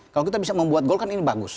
kalau kita bisa membuat gol kan ini bagus